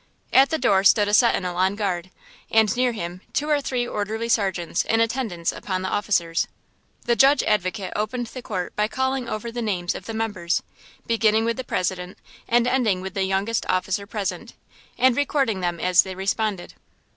At the door stood a sentinel on guard, and near him two or three orderly sergeants in attendance upon the officers. The Judge Advocate opened the court by calling over the names of the members, beginning with the President and ending with the youngest officer present, and recording them as they responded.